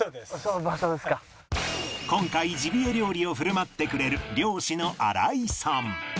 今回ジビエ料理を振る舞ってくれる猟師の荒井さん